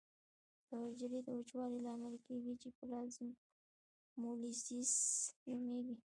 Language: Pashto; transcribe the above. د حجرې د وچوالي لامل کیږي چې پلازمولیزس نومېږي.